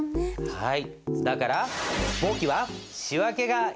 はい。